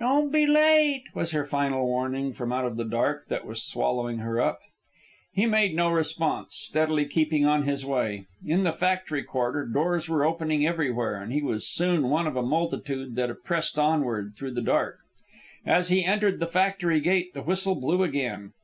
"Don't be late," was her final warning from out of the dark that was swallowing her up. He made no response, steadily keeping on his way. In the factory quarter, doors were opening everywhere, and he was soon one of a multitude that pressed onward through the dark. As he entered the factory gate the whistle blew again.